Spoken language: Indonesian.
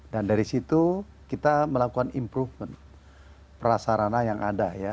dan dari situ kita melakukan improvement prasarana yang ada ya